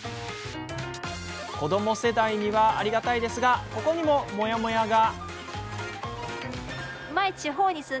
子育て世代にはありがたいですがここにもモヤモヤが。